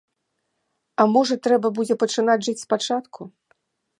А можа трэба будзе пачынаць жыць спачатку?